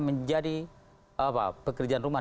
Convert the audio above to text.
menjadi pekerjaan rumah